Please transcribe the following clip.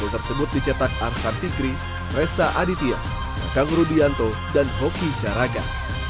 empat puluh tersebut dicetak arkan tigri ressa aditya kang rudianto dan hoki caraga